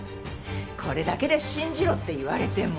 これだけで信じろって言われても。